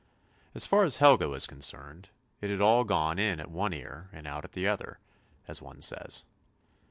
As far as Helga was con cerned it had all gone in at one ear and out at the other, as one says.